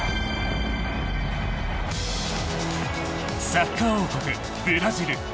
サッカー王国ブラジル。